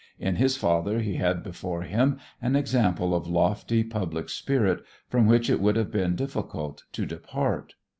In his father he had before him an example of lofty public spirit, from which it would have been difficult to depart.